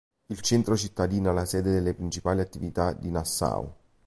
Il centro cittadino è la sede delle principali attività di Nassau.